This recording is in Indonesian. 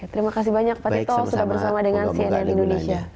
terima kasih banyak pak tito sudah bersama dengan cnn indonesia